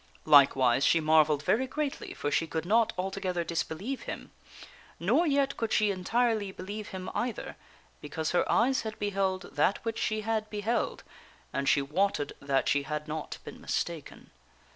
Like wise, she marvelled very greatly, for she could not altogether disbelieve him. Nor yet could she entirely believe him either, because her eyes had beheld that which she had beheld, and she wotted that she had not been mistaken.